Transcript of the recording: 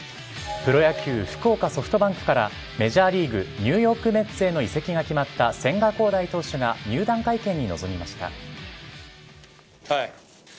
プロ野球・福岡ソフトバンクから、メジャーリーグ・ニューヨークメッツへの移籍が決まった千賀滉大投手が入団会見に臨みました。